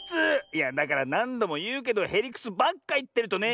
いやだからなんどもいうけどへりくつばっかいってるとね。